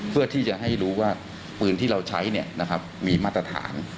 เพื่อที่จะให้รู้ว่าปืนที่เราใช้มีมาตรฐาน